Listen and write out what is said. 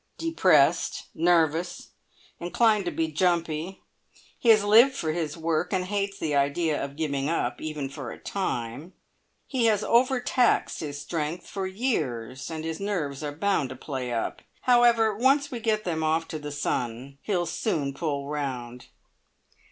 "Depressed. Nervous. Inclined to be jumpy. He has lived for his work, and hates the idea of giving up, even for a time. He has overtaxed his strength for years, and his nerves are bound to play up. However, once we get them off to the sun, he'll soon pull round."